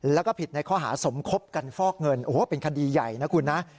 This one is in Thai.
แล้วก็ผิดในข้อหาสมคบกันฟอกเงินโอ้โหเป็นคดีใหญ่นะคุณนะ